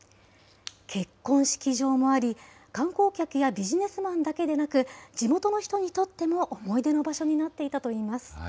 結婚式場もあり、観光客やビジネスマンだけでなく、地元の人にとっても思い出の場所になっていたといいます。